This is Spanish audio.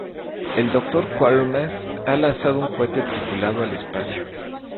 El Doctor Quatermass ha lanzado un cohete tripulado al espacio.